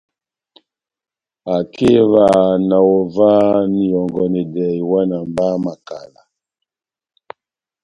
Akeva na ová na ihɔngɔnedɛ iwana má makala.